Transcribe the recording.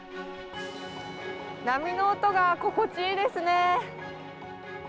波の音が心地いいですね。